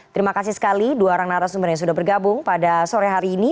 terima kasih sekali dua orang narasumber yang sudah bergabung pada sore hari ini